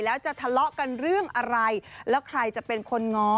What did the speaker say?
แล้วจะทะเลาะกันเรื่องอะไรแล้วใครจะเป็นคนง้อ